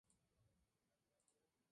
Sufrió numerosas cogidas.